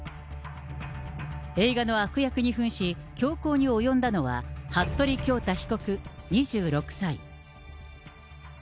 映画の悪役にふんし、凶行に及んだのは、服部恭太被告２６歳。